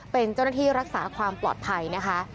เป็นเจ้าหน้าที่รักษาความปลอดภัยนะคะ